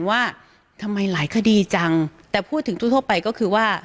ว่าทำไมหลายคดีจังแต่พูดถึงทั่วไปก็คือว่า